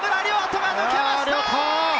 土が抜けました！